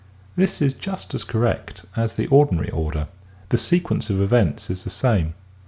This is just as correct as the ordinary order. The sequence of events is the same.